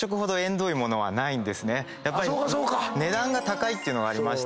やっぱり値段が高いっていうのがありまして。